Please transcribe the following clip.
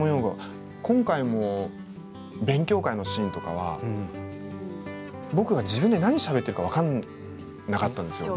今回も勉強会のシーンとか僕が自分で何をしゃべっているか分からなかったんですよ。